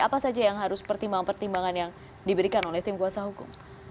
apa saja yang harus pertimbangan pertimbangan yang diberikan oleh tim kuasa hukum